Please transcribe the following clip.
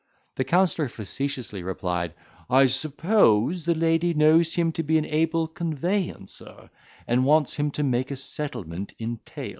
The counsellor facetiously replied, "I suppose the lady knows him to be an able conveyancer, and wants him to make a settlement in tail."